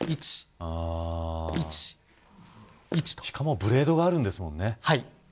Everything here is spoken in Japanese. しかもブレードがあるんですもんね。